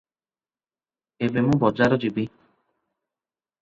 ଏବେ ମୁଁ ବଜାର ଯିବି